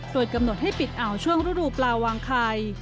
โดยกำหนดให้ปิดอ่าวช่วงฤดูปลาวางไข่